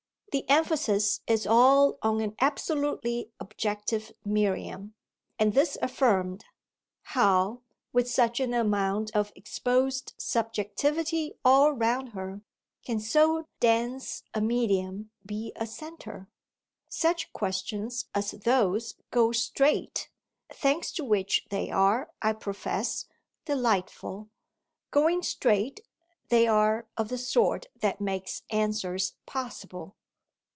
The emphasis is all on an absolutely objective Miriam, and, this affirmed, how with such an amount of exposed subjectivity all round her can so dense a medium be a centre? Such questions as those go straight thanks to which they are, I profess, delightful; going straight they are of the sort that makes answers possible.